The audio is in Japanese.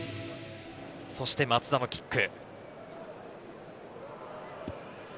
そして松田のキック。